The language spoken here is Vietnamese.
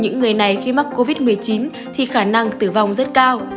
những người này khi mắc covid một mươi chín thì khả năng tử vong rất cao